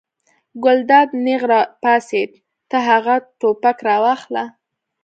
ګلداد نېغ را پاڅېد: ته هغه ټوپک راواخله.